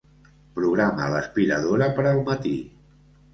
Programa l'aspiradora per al matí.